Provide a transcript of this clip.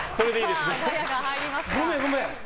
ごめん、ごめん。